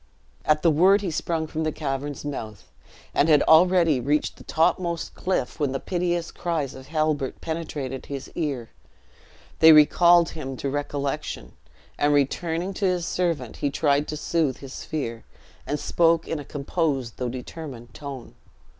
At the word he sprung from the cavern's mouth, and had already reached the topmost cliff when the piteous cries of Halbert penetrated his ear; they recalled him to recollection, and returning to his servant, he tried to soothe his fear, and spoke in a composed though determined tone.